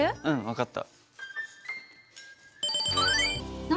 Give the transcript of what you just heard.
うん分かった。